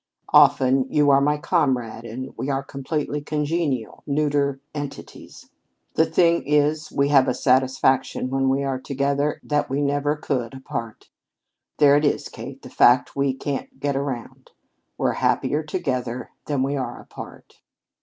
Often you are my comrade, and we are completely congenial, neuter entities. The thing is we have a satisfaction when we are together that we never could apart. There it is, Kate, the fact we can't get around. We're happier together than we are apart!"